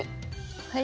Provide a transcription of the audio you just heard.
はい。